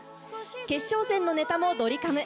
決勝戦のネタもドリカム。